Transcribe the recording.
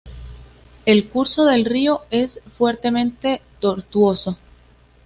El curso del río es fuertemente tortuoso.